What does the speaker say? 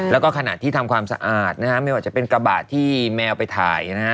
แล้วก็ขณะที่ทำความสะอาดมั้ยว่าจะเป็นกระบาดที่แมวไปถ่าย